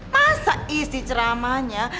masa isi ceramanya